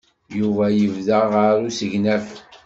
Yuba yedda ɣer usegnaf.